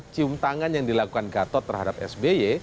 cium tangan yang dilakukan gatot terhadap sby